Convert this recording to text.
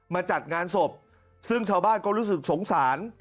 จัดงานศพซึ่งชาวบ้านก็รู้สึกสงสาร